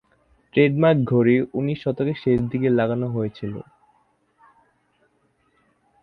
Trademark ঘড়ি উনিশ শতকের শেষদিকে লাগানো হয়েছিল।